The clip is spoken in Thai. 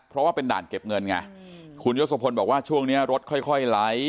เพราะว่าเป็นด่านเก็บเงินไงคุณยศพลบอกว่าช่วงเนี้ยรถค่อยค่อยไหล